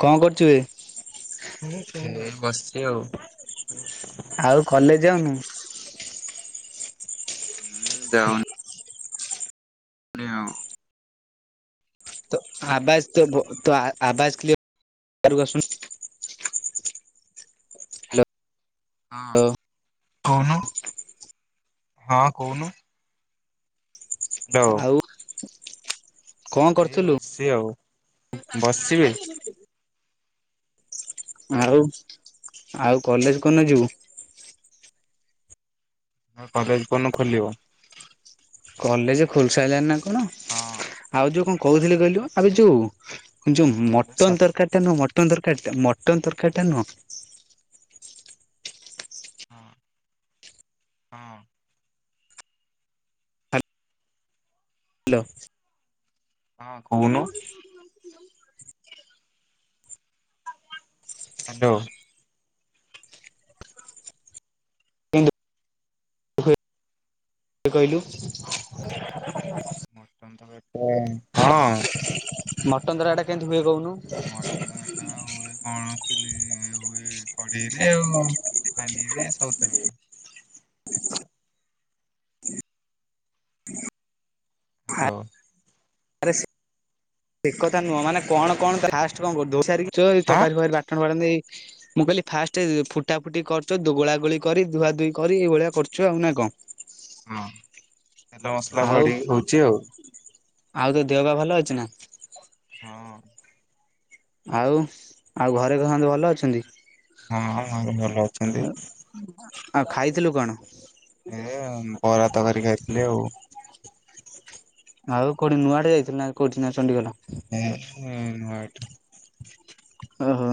କଣ କରୁଛୁ ବେ? ବସିଛି ଆଉ। ଆଉ କଲେଜ [inaudible] ହୁଁ ଦେହ ତୋ ଆବାଜ ତୋ ବ ତୋ ଆବାଜ କ୍ଳିଅର ବାହାରକୁ ଆସୁନୁ। ହ୍ୟାଲୋ ହଁ କହୁନୁ ହଁ କହୁନୁ। ହ୍ୟାଲୋ। ଆଉ କଣ ଏଇ କରୁଥିଲୁ? ବସିଚି ଆଉ ବସିଚି ବେ। ଆଉ ଆଉ କଲେଜ କଉଦିନ ଯିବୁ? କଲେଜ କଉଦିନ ଖୋଲିବ? କଲେଜ ଖୋଲସାରିଲାଣିି ନା କଣ। ହଁ ଆଉ ଯୋଉ କଣ କହୁଥିଲି କହିଲୁ ଆବେ ଯୋଉ ଯୋଉ କଲେଜ ସ ମଟନ ତରକାରୀ ଟା ନୁହୁଁ ମଟ ମଟନ ତରକାରୀଟା ମଟନ ତରକାରୀଟା ନୁହଁ ହୁଁ ହଁ। ହ୍ୟାଲୋ। ହଁ କହୁନୁ ହ୍ୟାଲୋ। [unintelligible] କହିଲୁ। ମଟନ ତରକାରୀ ତ ହଁ ମଟନ ତରକାରୀ ଟା କେମିତ ହୁଏ? କହୁନୁ? ମଟନ ଟା ହୁଏ କଣଥିଲି ହୁଏ କଡେଇରେ ଆଉ। ହାଣ୍ଡିରେ ସବୁଥିରେ। [inaudible] [inaudible] ହ୍ୟାଲୋ। ଆରେ ସେ ସେକଥା ନୁହଁ, ମାନେ କଣ କଣ ଫାଷ୍ଟ କଣ କରୁ। [unintelligible] ଏଇ ଆଁ ତରକାରୀ ଫରକାରୀ ବାଟଣ ଫାଟଣ ଦେଇ ମୁଁ କହିଲି ଫାଷ୍ଟ ଫୁଟା ଫୁଟି କରୁଚ ଗୋଳା ଗୋଳି କରି ଧୁଆ ଧୁଇ କରି ଏଇଭଳିଆ କରୁଚ ଆଉ ନା କଣ? ହଁ ତେଲ ମସଲା ଆଉ ପଡି଼କି ହଉଛି ଆଉ । ଆଉ ତୋ ଦେହ ପା ଭଲ ଅଛି ନା? ହଁ । ଆଉ ଆଉ ଘରେ ସମସ୍ତେ ଭଲ ଅଛନ୍ତି? [unintelligible] ଆଉ ଖାଇଥିଲୁ କଣ? ଏ ବରା ତରକାରୀ ଖାଇଥିଲି ଆଉ । ଆଉ କୋଉଠି ନୂଆ ଆଡେ ଯାଇଥିଲୁ କୋଉଠି ନା ଚଣ୍ଡିଖୋଲ? [unintelligible] ନୂଆ ହାଟ। ଓହୋ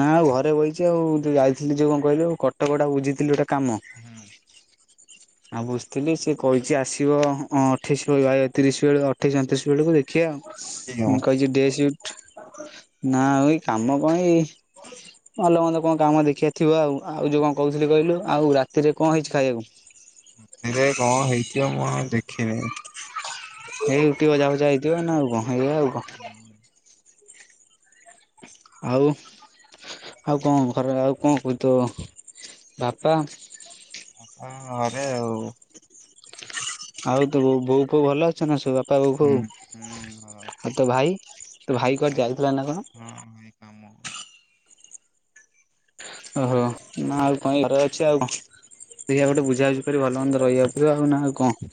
ନା ଆଉ ଘରେ ବଇଚି ଆଉ ଯୋଉ ଯାଇଥିଲି ଯୋଉ କଣ କହିଲୁ କଟକ ଟା ବୁଝିଥିଲୁ ଯୋଉଟା କାମ ଆଉ ବୁଝଥିଲି ସିଏ କହିଛି ଆସିବ ଅଠେଇଶି ରୁ ତିରିଶ ବେଳ ଅଠେଇଶି ଅଣତିରିଶ ବେଳକୁ ଦେଖିବା ଆଉ। ମୁଁ କହିଛି ଡେ ସିଫ୍ଟ ନା ଏ ଏ କାମ କଣ ଏଇ ଭଲ ମନ୍ଦ କଣ କାମ ଦେଖିବା ଥିବ ଆଉ। ଆଉ ଯୋଉ କଣ କହୁଥିଲି କହିଲୁ ଆଉ ରାତିରେ କଣ ହେଇଛି ଖାଇବାକୁ? ରାତିରେ କଣ ହେଇଥିବ ମୁଁ ଆଉ ଦେଖିନି । ଏଇ ରୁଟି ଭଜା ଫଜା ହେଇଥିବ ନା ଆଉ କ, ଏଇଆ ଆଉ କଣ? ଆଉ ଆଉ କଣ ଘରେ ଆଉ କଣ କହୁଛୁ ତୋ ବାପା? ହଁ ଘରେ ଆଉ । ଆଉ ତୋ ବୋଉ ଭଲ ଅଛନ୍ତି ନା ସବୁ? ବାପା ହୁଁ ହୁଁ ବୋଉ ଘର ଆଉ ତୋ ଭାଇ ତୋ ଭାଇ କୁଆଡ଼େ ଯାଇଥିଲା ନା କଣ? ହଁ ଭାଇ କାମ [inaudible] ଦେଖିବା ଗୋଟେ ବୁଝାବୁଝି କରିକି ଭଲ ମନ୍ଦ ରହିବାକୁ ପଡ଼ିବ ଆଉ ନା ଆଉ କଣ?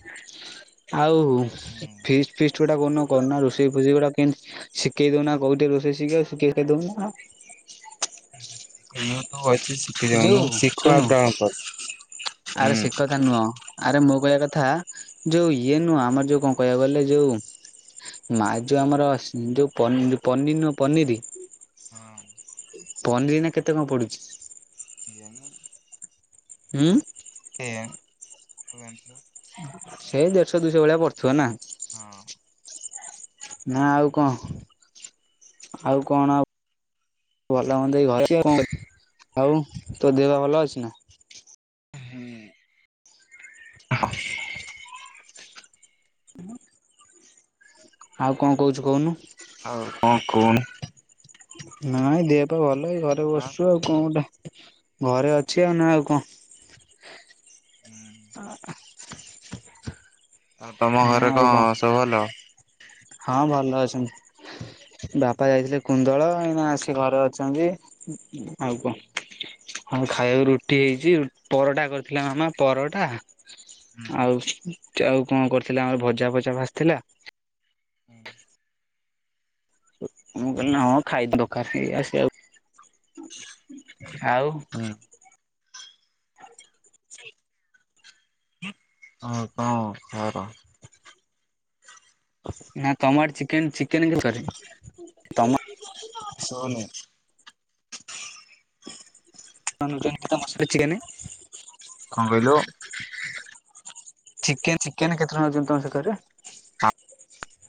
ଆଉ ହୁଁ ଫିଷ୍ଟ ଫିଷ୍ଟ ଗୋଟାଏ କୋଉ ଦିନ କରୁନା ରୋଷେଇ ଫୋଷେଇ ଗୋଟିଏ ଶିଖେଇ ଦଉନା କୋଉଠି ରୋଷେଇ ଶିଖିବା ଶିଖେଇ ତ ଦଉନା ହଁ ସେ ତ [unintelligible] ଶିଖିଦଉନୁ ଯୋଉ ଶିଖ ଶୁଣୁ ଆପ୍ ଡାଉନଲୋଡ଼ କର ଆରେ ସେ କଥା ହୁଁ। ନୁହଁ ଆରେ ମୋ କହିବା କଥା ଯୋଉ ଇଏ ନୁହଁ ଆମର ଯୋଉ କଣ କହିବାକୁ ଗଲେ ଯୋଉ ମା ଯୋଉ ଆମର ଯୋଉ ପନିର ନୁହଁ ପନିର ହଁ ପନିର ଏଇନା କେତେ କଣ ପଡୁଛି? ଜମା ହୁଁ? କେଜାଣି? ତୁ ଜାଣି ଥିବୁ । ସେଇ ଦେଢଶହ ଦୁଇଶହ ଭଳିଆ ପଡିୁଥିବ ନା? ହଁ । ନା ଆଉ କଣ ଆଉ କଣ ଆ ଭଲ ମନ୍ଦ ଏଇ ଘରେ ଅଛି ଆଉ କଣ କରିବି ଆଉ ତୋ ଦେହ ଭଲ ଅଛି ନା? ହୁଁ [inaudible] [inaudible] ଆଉ କଣ କହୁଛୁ କହୁନୁ ଆଉ କଣ କହୁନୁ? ନାଇଁ ଦେହ ପାଇଁ ଭଲ ଏଇ ଘରେ ଆଁ ବସିଛୁ ଆଉ କଣ ଟା ଘରେ ଅଛି ଆଉ ନା ଆଉ କଣ? [inaudible] ହୁଁ ଆଉ ତମ ନା ଘରେ ଆଉ କଣ ସବୁ ଭଲ? ହଁ ଭଲ ଅଛନ୍ତି। ବାପା ଯାଇଥିଲେ କୁନ୍ଦଳା ଏଇନା ଆସିକି ଘରେ ଅଛନ୍ତି ଆଉ କଣ? ହଁ ଖାଇବାକୁ ରୁଟି ହେଇଛି ପରଟା କରିଥିଲା ମାମା ପରଟା ହୁଁ ଆଉ ଆଉ କଣ କରୁଥିଲା ଆମର ଭଜା ଫଜା ଭାସିଥିଲା। ହୁଁ। ମୁଁ କହିଲି ହଁ ଖାଇଦବା ଆସିବା ଆଉ। [unintelligible] ଆଉ। ହୁଁ ସେ ଆଉ କଣ ଖବର? ନା ତମ ଆଡେ ଚିକେନ ଚିକେନ କେ [unintelligible] ମସଲା ଚିକେନ। କଣ [unintelligible] ଚେ ଚିକେନ କେତେ ଆଣୁଛନ୍ତି ତମ ସେପଟେ?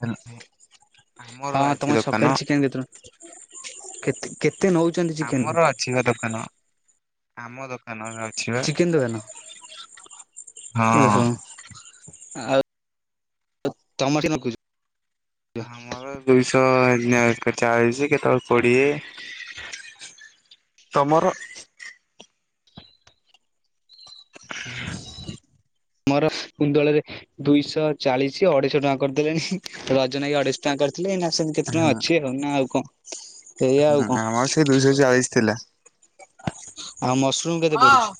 ହଲ୍ ହଁ। ହଁ ତମ ଛକୀ ଚିକେନ କେତେ କେତେ ନଉଛନ୍ତି ଚିକେନ ଆମର ଅଛି ପା ଦୋକାନ ଆମ ଦୋକାନ। ଚିକେନ ଦ ହେ ହଁ। ଓହୋ ଆଉ। ତମ ସେ ନ କୁଛ। ଆମର ଦୁଇଶହ ଚାଳିଶ କେତେବେଳେ କୋଡିଏ। ତୋମର [unintelligible] ମୋର କୁନ୍ଦଳରେ ଦୁଇଶହ ଚାଳିଶ ଅଢେଇଶହ ଟଙ୍କା କରିଦେଲେଣି। ରଜନ ଭାଇ ଅଢେଇଶହ ଟଙ୍କା କରି କ୍ଲିନ୍ ଆସିନି କେତେ ଟଙ୍କା ହଁ ଅଛି ଆଉ ନା ଆଉ କଣ? ଏଇଆ ହଁ ଆଉ କଣ ଆମର ସେଇ ଦୁଇଶହ ଚାଳିଶ ଥିଲା। ଆଉ ମସରୁମ୍ କେତେ ହଁ ପଡୁଛି?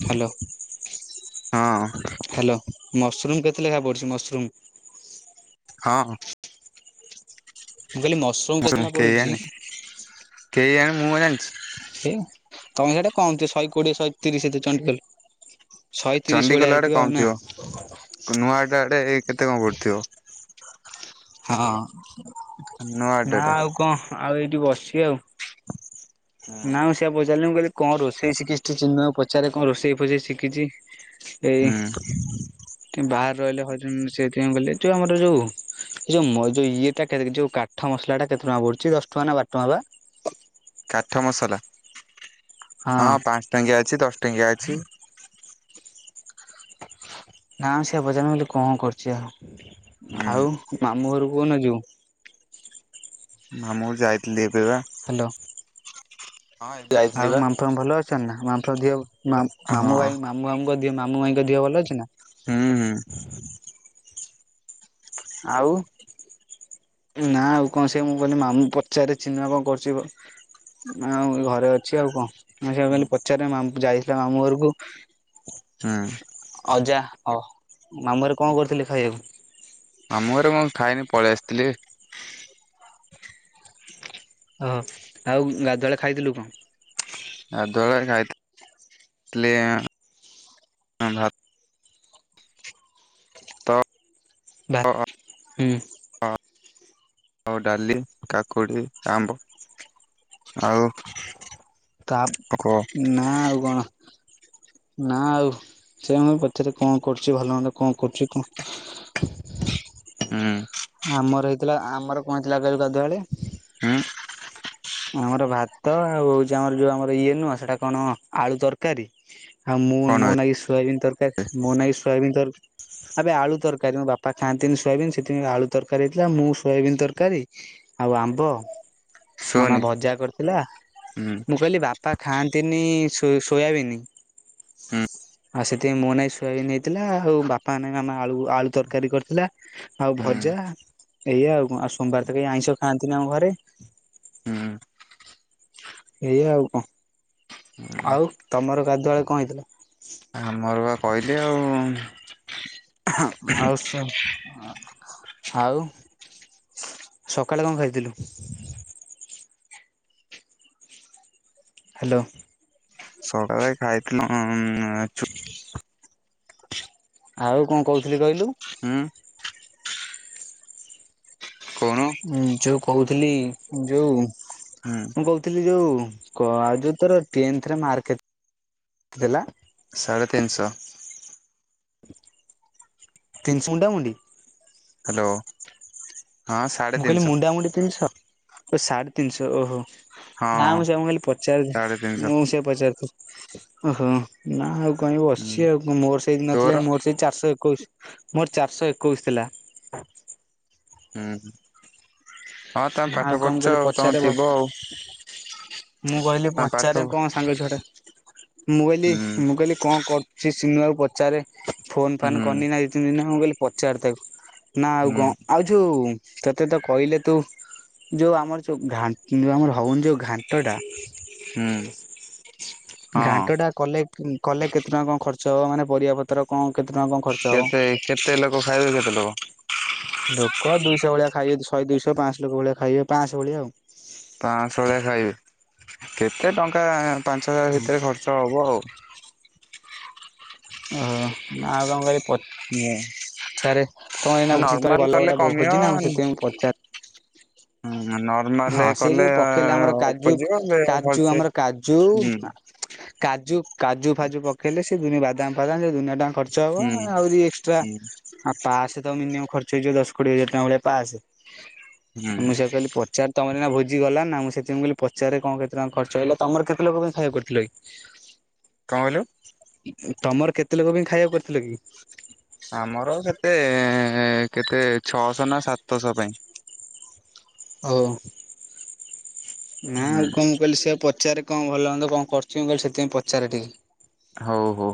ହ୍ୟାଲୋ। ହ୍ୟାଲୋ ହଁ। ମସରୁମ୍ କେତେ ଲେଖା ପଡିଛି? ମସରୁମ୍। ହଁ, । ମୁଁ କହିଲି ମସରୁମ୍ କେତେ ଲା ପଡୁଚି? କେଇ ଆଣ ମୁଁ କଣ ଜାଣିଛି? ସେଇ ତୋମେ ସେଇଟା କମ ଶହେ କୋଡିଏ ଶହେ ତିରିଶ ଦେ ଚଣ୍ଡିଖୋଲ। ଶହେ ତିରିଶ ଭଳିଆ ଚଣ୍ଡିଖୋଲ ଆଡେ ହେଇଥିବ ଆଉ କମ ନା? ଥିବ। କ ନୂଆ ଟା ରେ ଏଇ କେତେ କଣ କରିଥିବ? ହଁ ନା ଆଡେ। ଆଉ କଣ? ଆଉ ଏଇଠି ବସିଚି ଆଉ। ନା ମୁଁ ସେଇଆ ପଚାରିଲି ମୁଁ କହିଲି କଣ ରୋଷେଇ ଶିଖିଛି ଚିନ୍ମୟ ପଚାରେ କଣ ରୋଷେଇ ଫୁଷେଇ ଶିଖିଛି? ଏଇ ହଁ। ବାହାରେ ରହିଲେ ହରି ଉଁ, ସେଇଥିପାଇଁ ମୁଁ ଗଲି ଛୁଆ ଆମର ଯୋଉ ଏଇ ଯୋଉ ମଇ ଯୋଉ ଇଏଟା କେରକେ ଯୋଉ କାଠ ମସଲା ଟା କେତେ ଟଙ୍କା ପଡୁଛି ଦଶ ଟଙ୍କା ନା ବାର ଟଙ୍କା ବା? କାଠ ମସଲା ହଁ ପାନ୍ସ ଟଙ୍କିଆ ଅଛି। ଦଶ ଟଙ୍କିଆ ଅ ଛି। ନା ସେଇଆ ପଚାରିଲି ମୁଁ କହିଲି କଣ କରୁଛି ଆଉ? ହୁଁ ଆଉ ମାମଁ ଘରୁ କୁଅନ ଯିବୁ? ନା ମୁଁ ଯାଇଥିଲି ଏ ହ୍ୟାଲୋ। ହଁ ଏ ଯାଇଥିଲି ବା। ତ ନାହା ମାଫ ଦିହ ମାମ୍ ମାମୁ ହଁ। ଭାଇ ମାମୁ ଫାମୁଙ୍କ ଦିହ ମାମୁ ମାଇଁଙ୍କ ଦିହ ଭଲ ଅଛି ନା? ହୁଁ, ହୁଁ। ଆଉ ନା ଆଉ କଣ ସେ ମୁଁ କହିଲି ମାମୁଁ ପଚାରି ଚିନା କଣ କରଚି ବ ଆଉ ଘରେ ଅଛି ଆଉ କଣ। ମୁଁ ସେୟା ହୁଁ କହିଲି ପଚାରେ ମାମ ଯାଇଥିଲା ମାମୁ ଘରକୁ ହୁଁ ଅଜା ହଁ ମାମୁଁ ଘରେ କଣ କରିଥିଲେ ଖାଇବାକୁ? ମାମୁଁ ଘରେ ମୁଁ ଖାଇନି ପଳେଇ ଆସିଥିଲି। ଓହୋ ଆଉ ଗାଧୁଆଳେ ଖାଇଥିଲୁ କଣ? ଗାଧୁଆବେଳେ ଖାଇଥି ଲି ଅଁ, ଭା ତ ଭା ହୁଁ ଆଉ ଡାଲି କାକୁଡି ଆମ୍ବ ଆଉ ତାପ୍ ପୋକ ନା ଆଉ କଣ? ନା ଆଉ ସେ ମୁଁ ପଚାରେ କଣ କରୁଛି ଭଲ ମନ୍ଦ କଣ କରୁଛି କଣ? [unintelligible] ହୁଁ ଆମର ହେଇଥିଲା, ଆମର କଣ ହେଇଥିଲା କହିଲୁ ଗାଧୁଆ ବେଳେ? ହୁଁ। ଆମର ଭାତ ଆଉ ଯୋଉ ଆମର ଯୋଉ ଆମର ଇଏ ନୁହଁ ସେଟା କଣ ଆଳୁ ତରକାରୀ ଆଉ ମୁଁ ମୋ କଣ ନାଇକି ସୋୟାବିିନ ତରକାରୀ ମୋ ନାଇକି ସୋୟାବିିନ ତର ଆବେ ଆଳୁ ତର କାରୀ ମୋ ବାପା ଖାଆନ୍ତିନି ସୋୟାବିିନ ସେଥିପାଇଁ ଆଳୁ ତରକାରୀ ହେଇଥିଲା। ମୁଁ ସୋୟାବିିନ ତରକାରୀ ଆଉ ଆମ୍ବ ମାମା ଶୁନି ଭଜା କରିଥିଲା। ହୁଁ ମୁଁ କହିଲି ବାପା ଖାଆନ୍ତିନି ସୋ- ସୋୟାବିନି ହୁଁ। ଆଉ ସେଥିପାଇଁ ମୋ ନାହିଁ ଶୁଆବିନ୍ ହେଇଥିଲା ଆଉ ବାପାଙ୍କ ନାଁକି ଆଳୁ ଆଳୁ ତରକାରୀ କରିଥିଲା। ଆଉ ହୁଁ ଭଜା ଏୟା ଆଉ ଆଉ ସୋମବାର ତ ଆଇଁଷ ଖାଆନ୍ତିନି ଆମ ଘରେ। ହୁଁ [unintelligible] ଏଇଆ ଆଉ କଣ, ଆଉ ତମର ଗାଧୁଆ ବଳେ କଣ ହେଇଥିଲା। ଆମର ବା କହିଲି ଆଉ-ଉ-ଉ-ଉ ଆଉଶ୍ [inaudible] ଆଉ ସକାଳେ କଣ ଖାଇଥିଲୁ? ହ୍ୟାଲୋ ସକାଳେ ଖାଇଥିଲୁ ଉ-ଉ-ଉ-ଉ ଆଉ କଣ କହୁଥିଲି କହିଲୁ ହୁଁ କହୁନୁ ଉଁ ଯୋଉ କହୁଥିଲି ଯୋଉ ହୁଁ ମୁଁ କହୁଥିଲି ଯୋଉ କ ଆ ଯୋଉଁ ତୋର ଟେନଥ୍ ରେ ମାର୍କ କେତେ ଥିଲା? ସାଢ଼େ ତିନିଶ। ତିନିସ ମୁଣ୍ଡାମୁଡି? ହ୍ୟାଲୋ ହଁ ସାଢେ ମୁଁ କହିଲି ତିନିଶହ ମୁଣ୍ଡାମୁଡି ତିନିଶ? ଓ ସାଢେ ତିନିଶ ଓହୋ ହଁ ନା ହଁ ମୁଁ ସେୟା ମୁଁ ଖାଲି ସାଢେ ପଚାରୁଛି ତିନିଶହ ମୁଁ ସେୟା ପଚାରୁଥିଲ ଓହୋ ନା ଆଉ କାହିଁ ହୁଁ ବସିଛି ଆଉ ମୋର ସେଇଠି ନଥିଲା ତୋର ମୋର ସେଇ ଚାରିଶହ ଏକୋଇଶି ମୋର ଚାରିଶହ ଏକୋଇଶି ଥିଲା। ହୁଁ। ହଁ ତମେ ନା ପାଠ ଆଉ କଣ ପଢୁଛ କହିଲି ତମେ ପଚାରେ ଭ ଥିବ ଆଉ ମୁଁ କହିଲି ତମେ ପଚାରେ ପାଠ କଣ ସାଙ୍ଗ ଛୁଆଟା ମୁଁ କହିଲି ହୁଁ ମୁଁ କହିଲି କଣ କରୁଛି ସିିନୁଆକୁ ପ ପଚାରେ ଫୋନ୍ ହୁଁ ଫାନ୍ କରିନି ନା ଦି ତିନି ଦିନ ମୁଁ କହିଲି ପଚାରି ତାକୁ। ନା ଆଉ ହୁଁ କଣ ଆଉ ଯୋଉ ତତେ ତ କହିଲେ ତୁ ଯୋଉ ଆମର ଯୋଉ ଘା ଆମର ହଉନି ଯୋଉ ଘାଣ୍ଟଟା ହୁଁ ହଁ ଘାଣ୍ଟ ଟା କଲେ ଏ କଲେ କେତେ ଟଙ୍କା କଣ ଖର୍ଚ୍ଚ ହବ ମାନେ ପରିବା ପତ୍ର କଣ କେତେ ଟଙ୍କା କଣ ଖର୍ଚ୍ଚ ହବ, କେତେ କେତେ ଲୋକ ଖାଇବେ କେତେ ଲୋକ? ଲୋକ ଦୁଇଶହ ଭଳିଆ ଖାଇବେ ଶହେ ଦୁଇଶ ପାଆସ ଲୋକ ଭଳିଆ ଖାଇବେ ପାଆଶ ଭଳିଆଉ । ପାଞ୍ଚଶହ ପା-ଆ-ଆ-ଆ ପାଞ୍ଚ ହଜାର ଭିତରେ ଖର୍ଚ୍ଚ ହେବ ଆଉ। ଓହୋ ଆଉ କଣ [unintelligible] [inaudible] ରେ ତମେ ଏଇନା [unintelligible] ତମେ ନର୍ମାଲ ଭଲ କଲେ ଗୋଟେ କମିବ ଭୋଜି ନା ମୁଁ ସେଥିପାଇଁ ପଚାର ନର୍ମାଲ ହଁ ସେ କଲେ ଯୋଉ ପକେଇଲେ ଆମର ଅଳ୍ପ କାଜୁ ଯିବ କାଜୁ ଭଲସେ ଆମର କାଜୁ ହୁଁ ନା କାଜୁ କାଜୁ ଫାଜୁ ପକେଇଲେ ସେ ଦୁନିଆ ବାଦାମ ଫାଦାମ ସେ ଦୁନିଆ ଟଙ୍କା ଖର୍ଚ୍ଚ ହବ ହୁଁ ଆହୁରି ଏକ୍ସଟ୍ରା ହୁଁ ଆ ପାସ୍ ତ ମିନିମମ୍ ଖର୍ଚ୍ଚ ହେଇଯିବ ଦଶ କୋଡିଏ ହଜାର ଟଙ୍କା ଭଳିଆ ପାସ୍। ହୁଁ ମୁଁ ସେୟା କହିଲି ପଚାର ତମରନା ଭୋଜି ଗଲା ନା ମୁଁ ସେଥିଁ କ ପଚାରେ କଣ କେତେ ଟଙ୍କା ଖର୍ଚ୍ଚ ହେଲା। ତମର କେତେ ଲୋକ ଖାଇବାକୁ କରିଥିଲ କି? କଣ କହିଲୁ? ତମର କେତେ ଲୋକ ବି ଖାଇବାକୁ କରିଥିଲ କି? ଆମର କେତେ ଏ-ଏ-ଏ-ଏ କେତେ ଛଅଶହ ନା ସାତଶହ ପାଇଁ। ହଉ ନା ଆଉ ହୁଁ କଣ କହିଲି ସେୟା ପଚାରେ କଣ ଭଲ ହୁଅନ୍ତା କଣ କରଛି ମୁଁ କହଲି ସେଥିପାଇଁ ପଚାରେ ଟିକେ। ହଉ ହଉ।